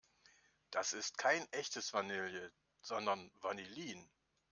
Das ist kein echtes Vanille, sondern Vanillin.